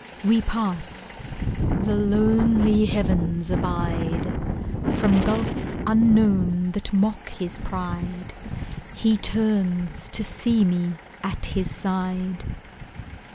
We pass. The lonely heavens abide. From gulfs unknown that mock his pride He turns to see me at his side.